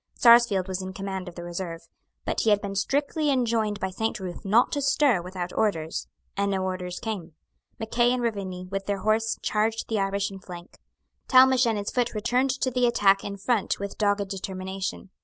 Sarsfield was in command of the reserve. But he had been strictly enjoined by Saint Ruth not to stir without orders; and no orders came. Mackay and Ruvigny with their horse charged the Irish in flank. Talmash and his foot returned to the attack in front with dogged determination.